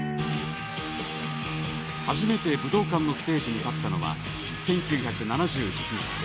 初めて武道館のステージに立ったのは、１９７７年。